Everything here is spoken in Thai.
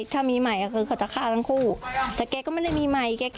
ถ้ามีใหม่ก็คือเขาจะฆ่าทั้งคู่แต่แกก็ไม่ได้มีใหม่